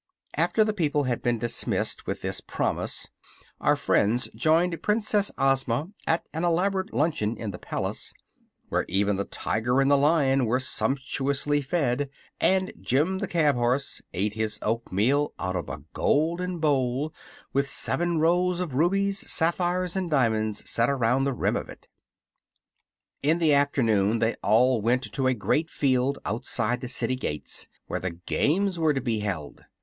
After the people had been dismissed with this promise our friends joined Princess Ozma at an elaborate luncheon in the palace, where even the Tiger and the Lion were sumptuously fed and Jim the Cab horse ate his oatmeal out of a golden bowl with seven rows of rubies, sapphires and diamonds set around the rim of it. In the afternoon they all went to a great field outside the city gates where the games were to be held.